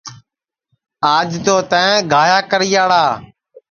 آج تو تیں گاھیا کریاڑا